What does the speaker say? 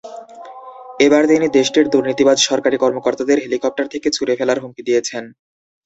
এবার তিনি দেশটির দুর্নীতিবাজ সরকারি কর্মকর্তাদের হেলিকপ্টার থেকে ছুড়ে ফেলার হুমকি দিয়েছেন।